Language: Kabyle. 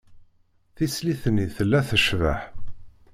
Tislit-nni tella tecbeḥ.